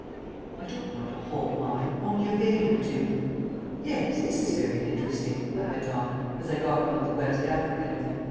"I don't want a whole mine only a vein or two. Yes, this is very interesting," I went on, as I got among the West Africans.